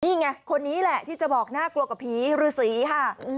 นี่ไงคนนี้แหละที่จะบอกน่ากลัวกว่าผีฤษีค่ะ